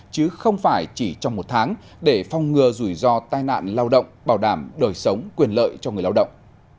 chứ không phải chỉ trong một tháng để phong ngừa rủi ro tai nạn lao động bảo đảm đời sống quyền lợi cho người lao động